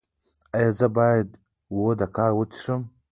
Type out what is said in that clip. ایا زه باید وودکا وڅښم؟